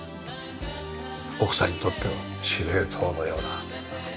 奥さんにとっては司令塔のような。